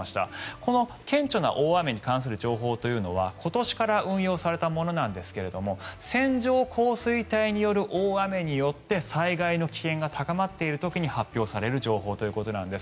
この顕著な大雨に関する情報というのは今年から運用されたものなんですが線状降水帯による大雨によって災害の危険が高まっている時に発表される情報ということなんです。